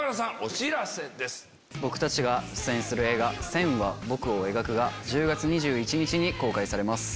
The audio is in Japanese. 僕たちが出演する映画『線は、僕を描く』が１０月２１日に公開されます。